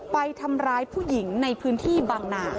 ไปทำร้ายผู้หญิงในพื้นที่บางนา